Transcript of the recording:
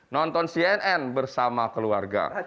nonton cnn bersama keluarga